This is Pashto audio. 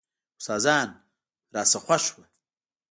استادان رانه خوښ وو.